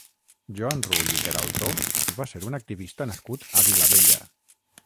Joan Rull i Queraltó va ser un activista nascut a Vilabella.